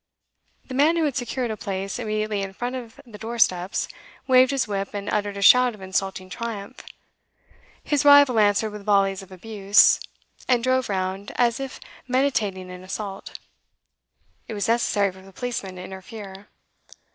The man who had secured a place immediately in front of the doorsteps, waved his whip and uttered a shout of insulting triumph; his rival answered with volleys of abuse, and drove round as if meditating an assault; it was necessary for the policeman to interfere.